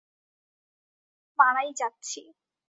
ভেবেছিলাম আমি মারাই যাচ্ছি।